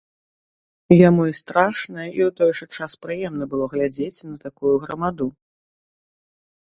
Яму і страшна і ў той жа час прыемна было глядзець на такую грамаду.